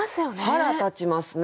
腹立ちますね。